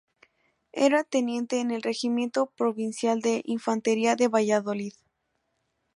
Era teniente en el regimiento provincial de infantería de Valladolid.